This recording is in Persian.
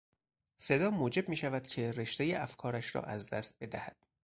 صدا موجب میشود که رشتهی افکارش را از دست بدهد.